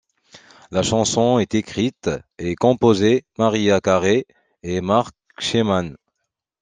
La chanson est écrite et composée Mariah Carey et Marc Shaiman.